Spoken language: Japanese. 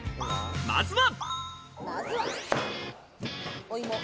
まずは。